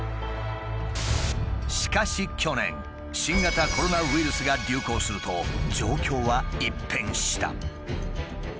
しかし去年新型コロナウイルスが流行すると状況は一変した。